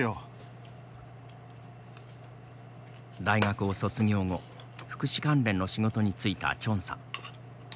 大学を卒業後、福祉関連の仕事に就いたチョンさん。